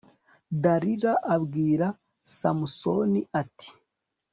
dalila abwira samusoni, ati